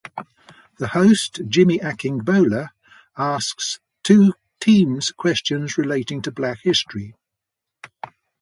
The host Jimmy Akingbola asks two teams questions relating to Black history.